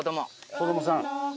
子どもさん。